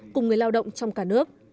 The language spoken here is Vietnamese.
cùng người lao động trong cả nước